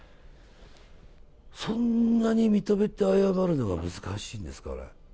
そんなに認めて謝るのが難しいんですかね。